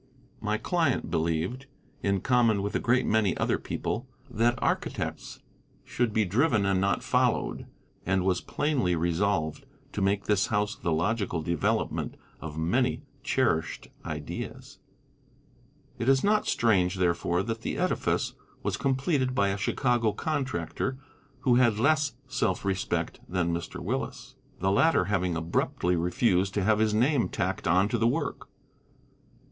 My client believed, in common with a great many other people, that architects should be driven and not followed, and was plainly resolved to make this house the logical development of many cherished ideas. It is not strange, therefore, that the edifice was completed by a Chicago contractor who had less self respect than Mr. Willis, the latter having abruptly refused to have his name tacked on to the work.